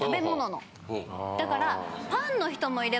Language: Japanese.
だから。